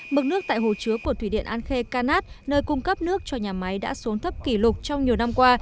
mực nước tại hồ chứa của thủy điện an khê canát nơi cung cấp nước cho nhà máy đã xuống thấp kỷ lục trong nhiều năm qua